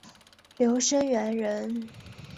刘声元人。